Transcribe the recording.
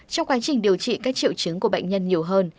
trong quá trình điều trị các triệu chứng của bệnh nhân nhiều hơn